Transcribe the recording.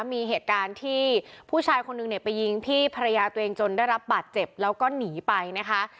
มีเหตุการณ์ที่ผู้ชายคนหนึ่งเนี่ยไปยิงพี่ภรรยาตัวเองจนได้รับบาดเจ็บแล้วก็หนีไปนะคะ